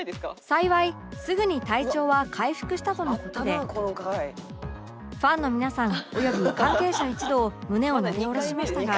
幸いすぐに体調は回復したとの事でファンの皆さんおよび関係者一同胸をなで下ろしましたが